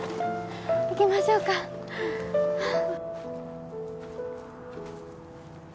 行きましょうかはぁ。